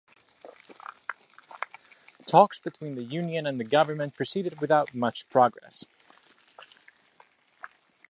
Talks between the union and the government proceeded without much progress.